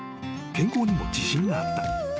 ［健康にも自信があった］